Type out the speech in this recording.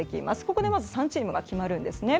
ここでまず３チームが決まるんですね。